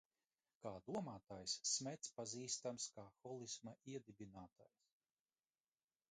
Kā domātājs Smetss pazīstams kā holisma iedibinātājs.